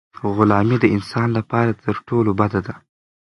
غلامي د انسان لپاره تر ټولو بده ده.